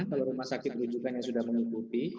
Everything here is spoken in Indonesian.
kalau rumah sakit rujukannya sudah mengikuti